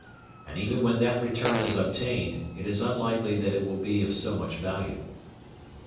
And even when that return is obtained, it is unlikely that it will be of so much value.